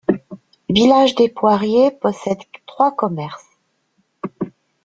Village-des-Poirier possède trois commerces.